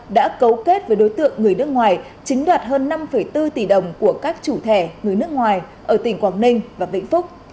đã cấu kết với đối tượng người nước ngoài chiếm đoạt hơn năm bốn tỷ đồng của các chủ thẻ người nước ngoài ở tỉnh quảng ninh và vĩnh phúc